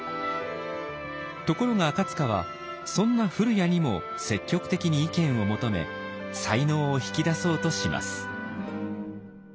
ところが赤はそんな古谷にも積極的に意見を求め才能を引き出そうとします。